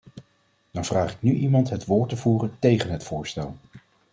Dan vraag ik nu iemand het woord te voeren tegen het voorstel.